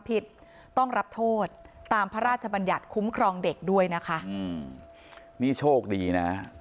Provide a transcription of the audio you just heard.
ผิดต้องรับโทษตามพระราชบัญญัติคุ้มครองเด็กด้วยนะคะอืมนี่โชคดีนะ